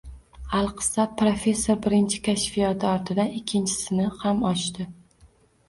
Alqissa, professor birinchi kashfiyoti ortidan ikkinchisini ham ochdi